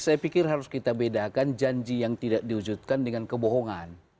saya pikir harus kita bedakan janji yang tidak diwujudkan dengan kebohongan